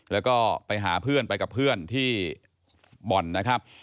แล้วก็ไปหาเพื่อนไปกับเพื่อนที่บ่อนนะครับ